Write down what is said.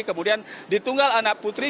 kemudian di tunggal anak putri